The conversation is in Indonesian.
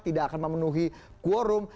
tidak akan memenuhi quorum